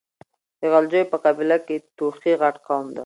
د غلجيو په قبيله کې توخي غټ قوم ده.